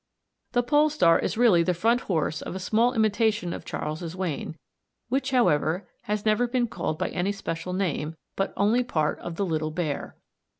The Pole star is really the front horse of a small imitation of Charles's Wain, which, however, has never been called by any special name, but only part of the "Little Bear."